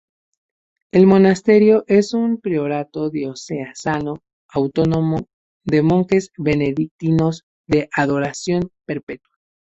El monasterio es un priorato diocesano autónomo de Monjes Benedictinos de Adoración Perpetua.